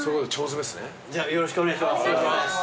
じゃよろしくお願いします。